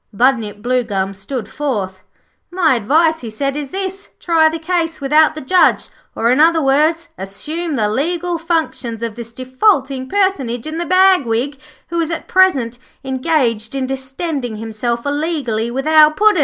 Bunyip Bluegum stood forth. 'My advice,' he said, 'is this: try the case without the Judge; or, in other words, assume the legal functions of this defaulting personage in the bag wig who is at present engaged in distending himself illegally with our Puddin'.